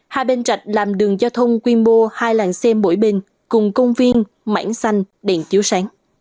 hai bên rạch làm đường giao thông quy mô hai làng xe mỗi bên cùng công viên mảng xanh đèn chiếu sáng